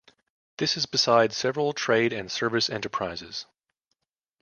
This is beside several trade and service enterprises.